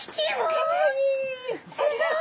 かわいい。